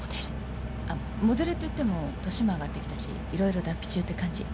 モデルっていっても歳も上がってきたし色々脱皮中って感じ。